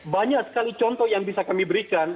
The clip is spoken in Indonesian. banyak sekali contoh yang bisa kami berikan